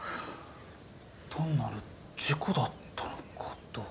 単なる事故だったのかどうか？